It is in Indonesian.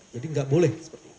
jadi gak boleh